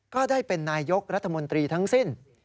ก็ได้เป็นนายยกรัฐมนตรีทั้งสิ้น